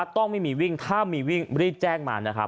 ต้องไม่มีวิ่งถ้ามีวิ่งรีดแจ้งมา